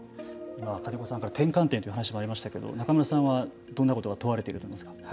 金子さんから転換点というお話もありましたけれども中村さんはどんなことが問われていると思いますか。